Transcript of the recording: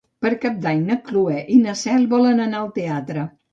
Per Cap d'Any na Cloè i na Cel volen anar al teatre.